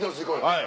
はい。